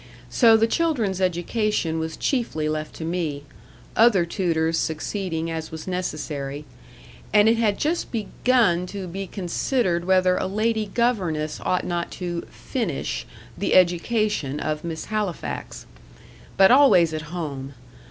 So the children's education was chiefly left to me; other tutors succeeding as was necessary; and it had just begun to be considered whether a lady governess ought not to "finish" the education of Miss Halifax. But always at home.